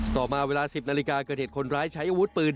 ต่อมาเวลา๑๐นาฬิกาเกิดเหตุคนร้ายใช้อาวุธปืน